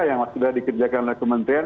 yang sudah dikerjakan oleh kementerian